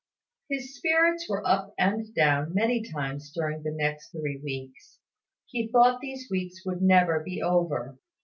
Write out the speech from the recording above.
His spirits were up and down many times during the next three weeks. He thought these weeks would never be over.